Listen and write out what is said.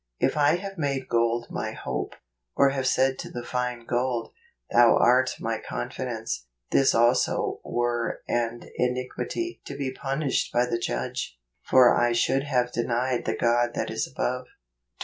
"If I have made gold my hope , or have said to the fine gold , Thou art my confidence: This also were an iniquity to be punished by the judge: for 1 should have denied the God that is above" JUNE.